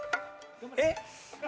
えっ？